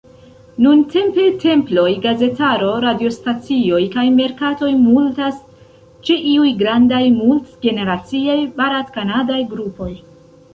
Nuntempe temploj, gazetaro, radiostacioj, kaj merkatoj multas ĉe iuj grandaj, mult-generaciaj barat-kanadaj grupoj.